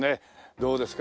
どうですか？